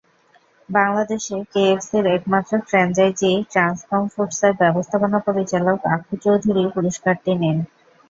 বাংলাদেশে কেএফএসির একমাত্র ফ্র্যাঞ্চাইজি ট্রান্সকম ফুডসের ব্যবস্থাপনা পরিচালক আক্কু চৌধুরী পুরস্কারটি নেন।